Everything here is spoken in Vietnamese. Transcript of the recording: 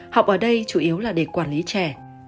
học ở đây chủ yếu là để quản lý trẻ